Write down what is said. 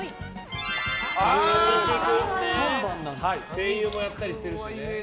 声優もやったりしてるしね。